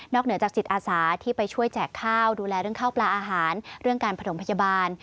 เหนือจากจิตอาสาที่ไปช่วยแจกข้าวดูแลเรื่องข้าวปลาอาหารเรื่องการประถมพยาบาล